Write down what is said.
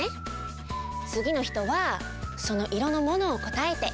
つぎの人はそのいろのものをこたえて。